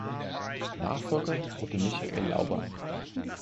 Nachfolger wurde Michael Lauber.